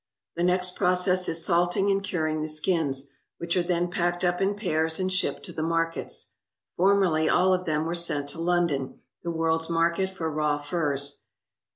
The next process is salting and curing the skins, which are then packed up in pairs and shipped to the markets. Formerly all of them were sent to London, the world's market for raw furs.